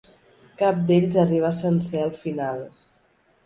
Cap d'ells arribà sencer al final.